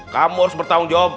kamu harus bertanggung jawab